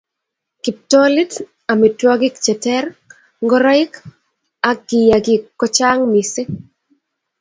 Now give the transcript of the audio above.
Kiptolit, amitwogik che ter, ngoroik ak kiyakik kochang missing